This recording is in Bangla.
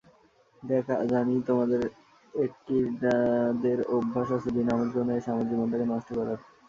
দেখ, জানি তোমাদের একিডনাদের অভ্যাস আছে বিনা আমন্ত্রণে এসে আমার জীবনটাকে নষ্ট করার।